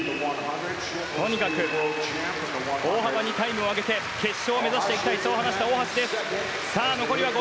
とにかく大幅にタイムを上げて決勝を目指したいそう話した大橋です。